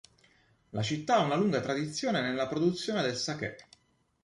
La città ha una lunga tradizione nella produzione del "sakè".